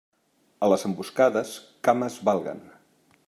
A les emboscades, cames valguen.